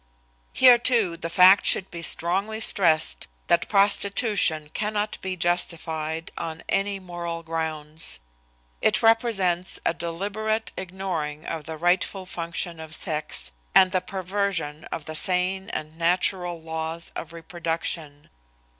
Here, too, the fact should be strongly stressed that prostitution cannot be justified on any moral grounds. It represents a deliberate ignoring of the rightful function of sex, and the perversion of the sane and natural laws of reproduction.